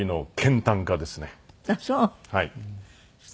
はい。